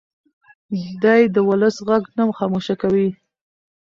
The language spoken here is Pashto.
دی د ولس غږ نه خاموشه کوي.